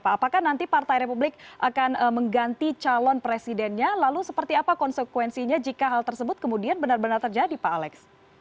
apakah nanti partai republik akan mengganti calon presidennya lalu seperti apa konsekuensinya jika hal tersebut kemudian benar benar terjadi pak alex